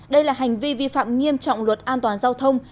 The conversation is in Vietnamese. đây là hành vi vi phạm nghiêm trọng luật an toàn giao thông